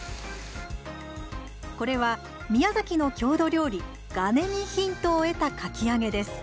これは宮崎の郷土料理「がね」にヒントを得たかき揚げです。